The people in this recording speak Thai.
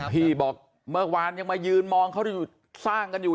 พี่บอกเมื่อวานยังมายืนมองเขาสร้างกันอยู่